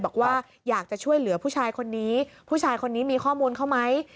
บอกว่าอยากจะช่วยเหลือผู้ชายคนนี้ผู้ชายคนนี้มีข้อมูลเขาไหม